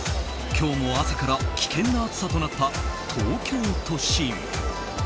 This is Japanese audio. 今日も朝から危険な暑さとなった東京都心。